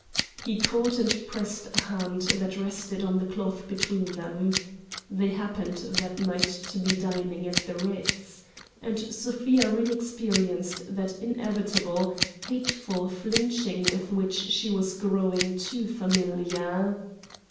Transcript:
He caught and pressed a hand that rested on the cloth between them. (They happened that night to be dining at the Ritz.) And Sofia re experienced that inevitable, hateful flinching with which she was growing too familiar.